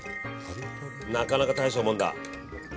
なかなか大したもんだ。